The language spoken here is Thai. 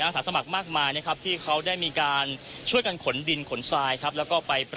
สวัสดีครับสวัสดีครับ